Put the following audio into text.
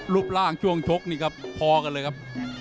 รูปร่างช่วงชกนี่ครับพอกันเลยครับ